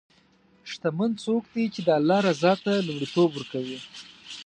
شتمن څوک دی چې د الله رضا ته لومړیتوب ورکوي.